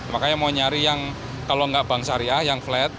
makanya mau nyari yang kalau nggak bank syariah yang flat